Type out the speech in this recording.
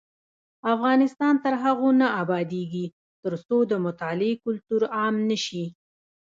افغانستان تر هغو نه ابادیږي، ترڅو د مطالعې کلتور عام نشي.